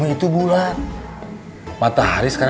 wisata yang luar suara